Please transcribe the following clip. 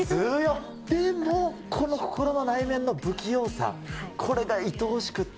でもこの心の内面の不器用さ、これがいとおしくって。